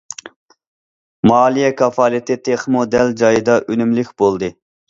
—— مالىيە كاپالىتى تېخىمۇ دەل جايىدا، ئۈنۈملۈك بولدى.